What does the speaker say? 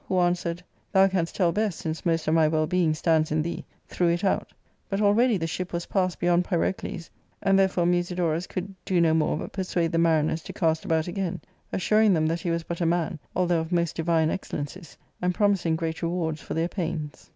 '* who answered, Thou canst tell best, since most of my well being stands in thee, threw it out ; but already the ship was passed beyond Pyrocles, and there fore Musidorus could do no more but persuade the mariners to cast about again, assuring them that he was but a man, although of most divine excellencies, and promising great rewards for their pains.